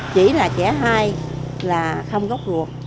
chỉ là trẻ hai là không gốc ruột